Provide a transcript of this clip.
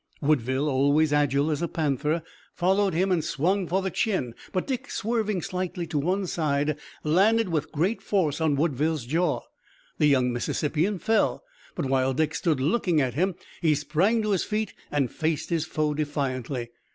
Woodville, always agile as a panther, followed him and swung for the chin, but Dick, swerving slightly to one side, landed with great force on Woodville's jaw. The young Mississippian fell, but, while Dick stood looking at him, he sprang to his feet and faced his foe defiantly.